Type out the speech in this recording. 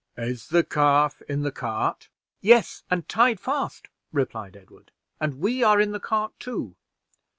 Is the calf in the cart?" "Yes, and tied fast," replied Edward, "and we are in the cart, too."